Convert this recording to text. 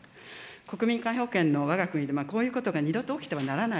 国民皆保険のわが国で、こういうことが二度と起きてはならない。